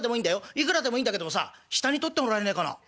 いくらでもいいんだけどもさ下に取ってもらえねえかな？」。